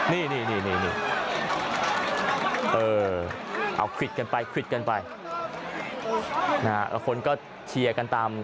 นี่นี่นี่นี่เออเอาควิดกันไปควิดกันไปนะฮะคนก็เทียกันตาม